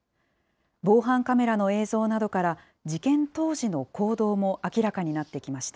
防犯カメラの映像などから事件当時の行動も明らかになってきました。